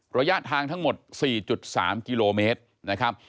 ระยะทางทั้งหมด๔๓กิโลเมตรนะครับ